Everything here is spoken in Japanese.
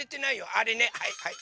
あれねはいはい。